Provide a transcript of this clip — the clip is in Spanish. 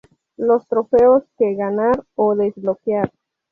Los trofeos que ganar o desbloquear.